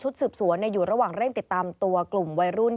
สืบสวนอยู่ระหว่างเร่งติดตามตัวกลุ่มวัยรุ่น